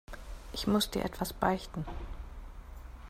Ich muss dir etwas beichten.